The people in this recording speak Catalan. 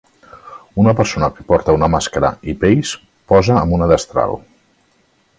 Una persona que porta una màscara i pells posa amb una destral.